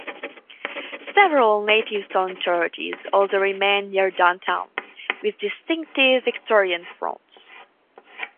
Several native-stone churches also remain near downtown, with distinctive Victorian fronts.